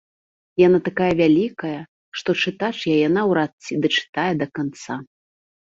Яна такая вялікая, што чытач яе наўрад ці дачытае да канца.